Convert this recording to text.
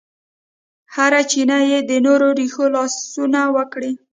هره چینه کې یې د نور رېښو لاسونه وکړه